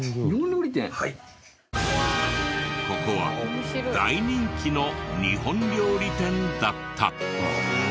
ここは大人気の日本料理店だった。